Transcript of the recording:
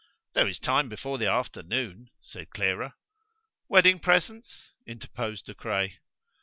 "There is time before the afternoon," said Clara. "Wedding presents?" interposed De Craye.